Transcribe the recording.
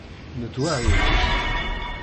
Nettwahuzz.